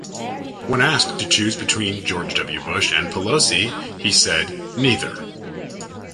When asked to choose between George W. Bush and Pelosi, he said "neither".